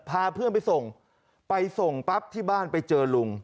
พาเพื่อนไปส่งไปส่งปั๊บที่บ้านไปเจอลุง